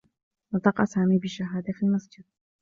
نطق سامي بالشّهادة في المسجد.